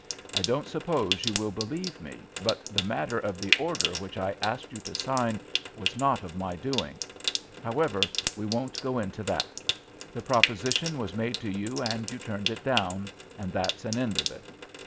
I don't suppose you will believe me, but the matter of the order which I asked you to sign was not of my doing. However, we won't go into that. The proposition was made to you and you turned it down, and that's an end of it.